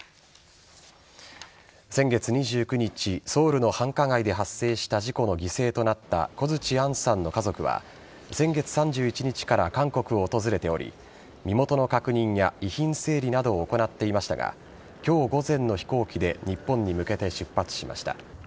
先月２９日ソウルの繁華街で発生した事故の犠牲となった小槌杏さんの家族は先月３１日から韓国を訪れており身元の確認や遺品整理などを行っていましたが今日午前の飛行機で日本へ向けて出発しました。